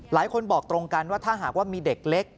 หลายคนบอกตรงกันว่าถ้าหากว่ามีเด็กเล็ก